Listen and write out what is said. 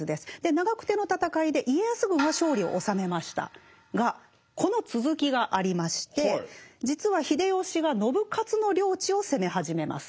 長久手の戦いで家康軍は勝利を収めましたがこの続きがありまして実は秀吉が信雄の領地を攻め始めます。